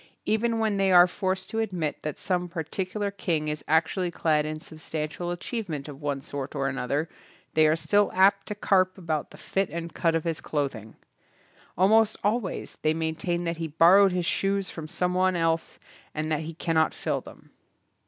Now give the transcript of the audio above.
Even when they are forced to admit that some particular king is actually clad in substantial achievement of one sort or another, they are still apt to carp about the fit and cut of his cloth ing. Almost always they maintain that he borrowed his shoes from some one else and that he cannot fill them.